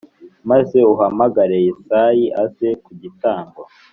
Maze uhamagare Yesayi aze ku gitambo